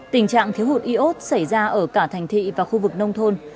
tình trạng thiếu hụt iốt xảy ra ở cả thành thị và khu vực nông thôn